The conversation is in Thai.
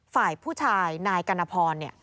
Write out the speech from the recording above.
ฝ่ายผู้ชายนายกัณฑร